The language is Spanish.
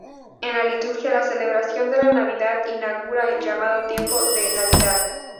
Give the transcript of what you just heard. En la liturgia, la celebración de la Natividad inaugura el llamado tiempo de Navidad.